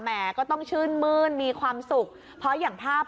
แหม่ก็ต้องชื่นมื้นมีความสุขเพราะอย่างท่าพรีเวดดิ้งออกมาก่อน